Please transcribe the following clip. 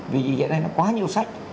vì hiện nay nó quá nhiều sách